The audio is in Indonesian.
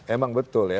emang betul ya